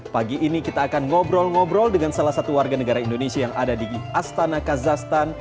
pagi ini kita akan ngobrol ngobrol dengan salah satu warga negara indonesia yang ada di astana kazahstan